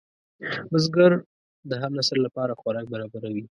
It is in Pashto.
بزګر د هر نسل لپاره خوراک برابروي